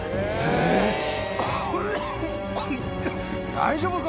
大丈夫か？